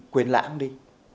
quên lãng đi